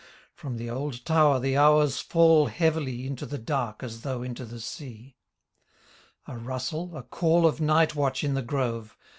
From the old tower the hours fall heavily Into the dark as though into the sea— A rustle, a call of night watch in the grove.